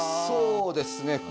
そうですね。